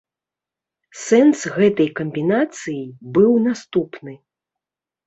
Сэнс гэтай камбінацыі быў наступны.